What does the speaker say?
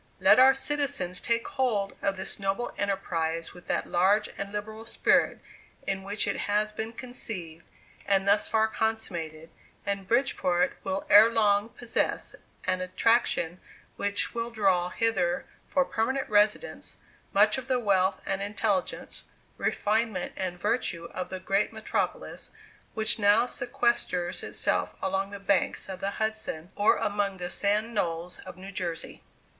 Let our citizens take hold of this noble enterprise with that large and liberal spirit in which it has been conceived and thus far consummated, and Bridgeport will ere long possess an attraction which will draw hither for permanent residence much of the wealth and intelligence, refinement and virtue of the great metropolis, which now sequesters itself along the banks of the Hudson, or among the sand knolls of New Jersey.